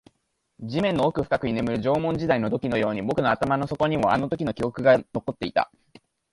地面の奥深くに眠る縄文時代の土器のように、僕の頭の底にもあのときの記憶が残っていた